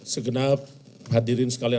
segenap hadirin sekalian